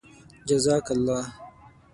جزاك اللهُ